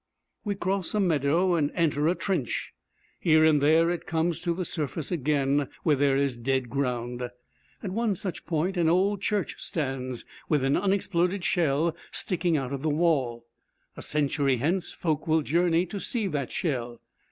We cross a meadow and enter a trench. Here and there it comes to the surface again where there is dead ground. At one such point an old church stands, with an unexploded shell sticking out of the wall. A century hence folk will journey to see that shell.